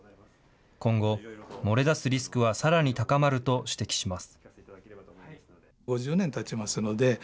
今後、漏れ出すリスクはさらに高まると指摘します。